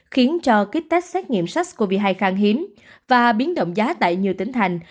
khiến cho kích tách xét nghiệm sars cov hai kháng hiếm và biến động giá tại nhiều tỉnh thành